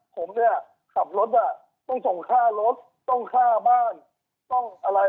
ผมเนี่ยขับรถอ่ะต้องส่งค่ารถต้องฆ่าบ้านต้องอะไร